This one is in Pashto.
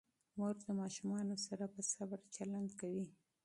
مور د ماشومانو سره په صبر چلند کوي.